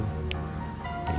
yaudah kita awasin aja terus